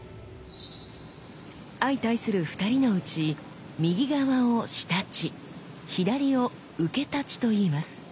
相対する２人のうち右側を仕太刀左を受太刀といいます。